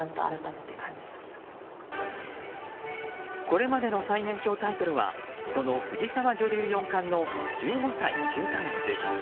これまでの最年少タイトルはその藤沢女流四冠の１５歳９か月。